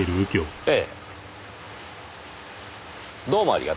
ええ？